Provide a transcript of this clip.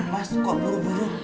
mas kok baru baru